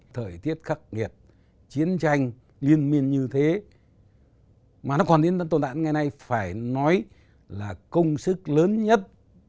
thời tiết khắc nghiệt chiến tranh liên minh như thế mà nó còn đến tồn tại ngày nay phải nói là công sức lớn nhất